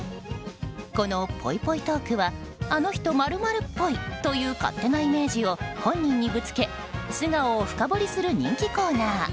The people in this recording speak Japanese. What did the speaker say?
この、ぽいぽいトークはあの人○○っぽいという勝手なイメージを本人にぶつけ素顔を深掘りする人気コーナー。